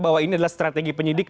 bahwa ini adalah strategi penyidik